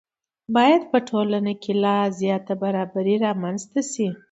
باید په ټولنه کې لا زیاته برابري رامنځته شي.